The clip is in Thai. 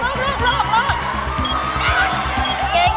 รูป